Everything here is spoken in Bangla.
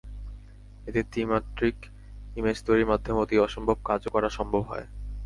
এতে ত্রিমাত্রিক ইমেজ তৈরির মাধ্যমে অতি অসম্ভব কাজও করা সম্ভব হয়।